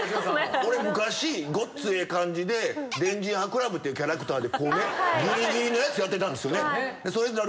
俺昔『ごっつええ感じ』で「電磁波クラブ」っていうキャラクターでギリギリのやつやってたんですよね。